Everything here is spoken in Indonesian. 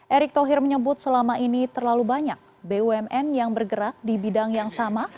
erick thohir menyebut selama ini terlalu banyak bumn yang bergerak di bidang yang sama